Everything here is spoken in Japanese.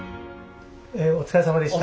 お疲れさまでした。